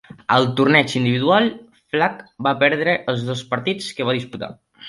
Al torneig individual, Flack va perdre els dos partits que va disputar.